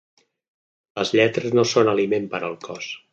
Les lletres no són aliment per al cos.